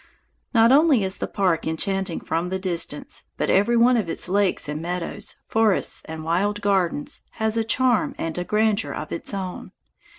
Not only is the park enchanting from the distance, but every one of its lakes and meadows, forests and wild gardens, has a charm and a grandeur of its own.